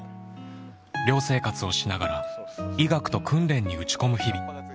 寮生活をしながら医学と訓練に打ち込む日々。